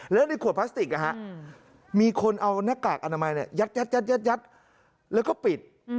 แล้วในขวดพลาสติกมีคนเอาหน้ากากอนามัยยัดแล้วก็ปิด